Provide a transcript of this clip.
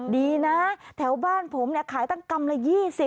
ดีนะแถวบ้านผมขายตั้งกรรมละ๒๐